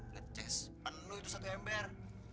nge chess penuh itu satu ember